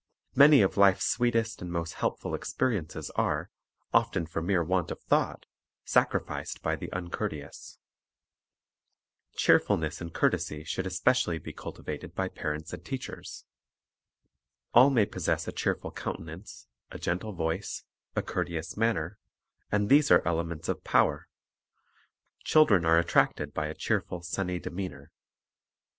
Many of life's sweetest and most helpful experiences are, often for mere want of thought, sacrificed by the uncourteous. Cheerfulness and courtesy should especially be cul tivated by parents and teachers. All may possess a cheerful countenance, a gentle voice, a courteous man ner, and these are elements of power. Children are attracted by a cheerful, sunny demeanor.